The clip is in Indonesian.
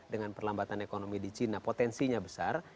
dengan perlambatan ekonomi di cina potensinya besar